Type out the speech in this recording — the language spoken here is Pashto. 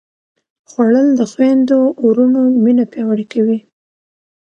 خوړل د خویندو وروڼو مینه پیاوړې کوي